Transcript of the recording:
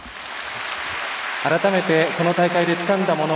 改めてこの大会でつかんだもの